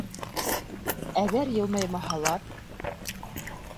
— Әгәр йылмаймаһалар?